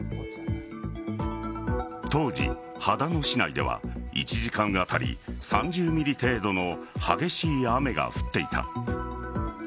当時、秦野市内では１時間当たり３０ｍｍ程度の激しい雨が降っていた。